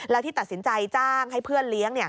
แล้วที่ตัดสินใจจ้างให้เพื่อนเลี้ยง